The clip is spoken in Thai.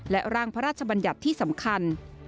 และร่างพระราชบัญญัติที่สำคัญ